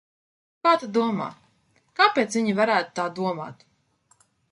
Kā tu domā, kāpēc viņi varētu tā domāt?